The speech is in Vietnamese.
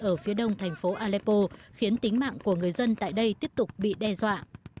ở phía đông thành phố aleppo khiến tính mạng của người dân tại đây tiếp tục bị đe dọa